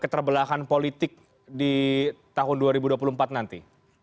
keterbelahan politik di tahun dua ribu dua puluh empat nanti